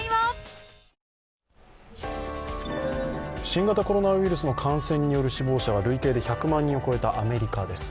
新型コロナウイルスの感染による死亡者が累計で１００万人を超えたアメリカです。